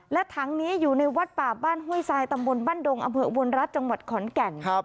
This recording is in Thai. และถังนี้อยู่ในวัดป่าบ้านห้วยทรายตำบลบ้านดงอำเภออุบลรัฐจังหวัดขอนแก่น